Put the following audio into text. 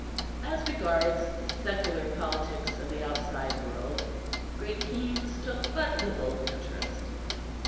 As regards the secular politics of the outside world, Great Keynes took but little interest.